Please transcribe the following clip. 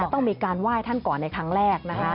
ต้องมีการว่ายท่านก่อนในครั้งแรก